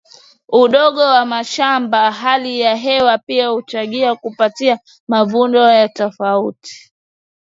udogo wa shamba hali ya hewa pia huchangia kupata mavuno ya tofauti